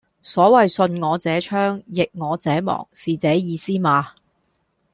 所謂順我者昌、逆我者亡是這意思嗎？